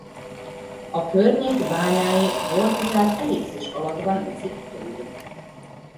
A környék bányái Vorkutát ellipszis alakban veszik körül.